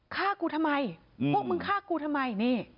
ฆ่ากูทำไมพวกมึงฆ่ากูทำไมนี่